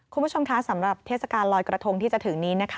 คุณผู้ชมคะสำหรับเทศกาลลอยกระทงที่จะถึงนี้นะคะ